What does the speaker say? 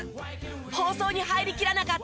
放送に入りきらなかったトーク満載！